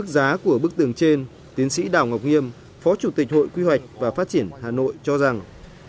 giá của bức tường trên tiến sĩ đào ngọc nghiêm phó chủ tịch hội quy hoạch và phát triển hà nội cho rằng